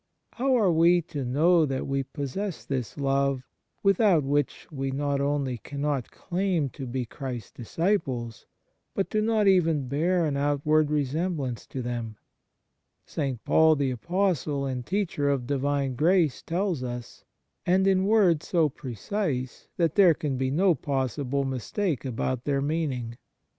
How are we to know that we possess this love, without which we not only cannot claim to be Christ s disciples, but do not even bear an outward resem blance to them ? St. Paul, the Apostle and teacher of Divine grace, tells us, and in words so precise that there can be i Mark x. 13. 2 John xiii. 12 14. 130 ON SOME PREROGATIVES OF GRACE no possible mistake about their meaning.